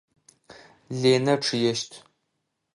Ленэ чъыещт.